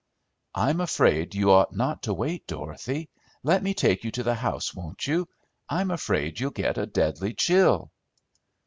"I'm afraid you ought not to wait, Dorothy. Let me take you to the house, won't you? I'm afraid you'll get a deadly chill."